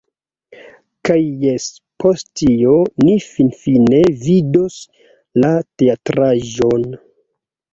Kaj jes, post tio, ni finfine vidos la teatraĵon